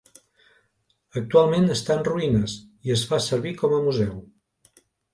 Actualment està en ruïnes i es fa servir com a museu.